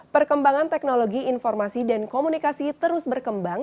perkembangan teknologi informasi dan komunikasi terus berkembang